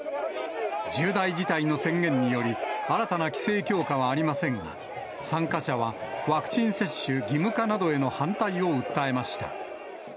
重大事態の宣言により、新たな規制強化はありませんが、参加者はワクチン接種義務化などへの反対を訴えました。